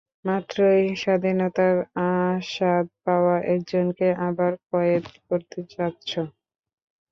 মাত্রই স্বাধীনতার আস্বাদ পাওয়া একজনকে আবার কয়েদ করতে চাচ্ছ?